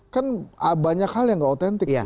kan banyak hal yang gak otentik